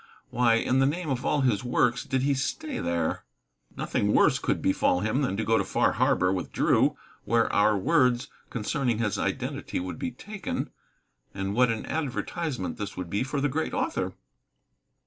Why, in the name of all his works, did he stay there? Nothing worse could befall him than to go to Far Harbor with Drew, where our words concerning his identity would be taken. And what an advertisement this would be for the great author.